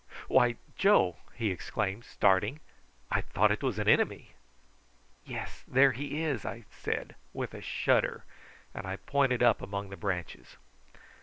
"Why, Joe!" he exclaimed, starting, "I thought it was an enemy." "Yes; there he is!" I said with a shudder, and I pointed up among the branches.